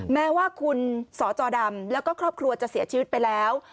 แม้ว่าคุณสจดำแล้วก็ครอบครัวจะเสียชีวิตไปแล้ว